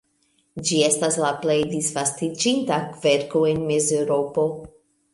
Ĝi estas la plej disvastiĝinta kverko en Mezeŭropo.